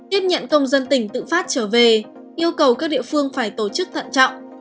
tiếp nhận công dân tỉnh tự phát trở về yêu cầu các địa phương phải tổ chức thận trọng